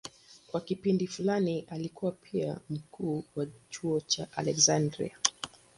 Kwa kipindi fulani alikuwa pia mkuu wa chuo cha Aleksandria.